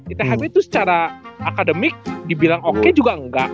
ithb tuh secara akademik dibilang oke juga enggak